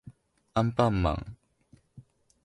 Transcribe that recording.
アンパンマン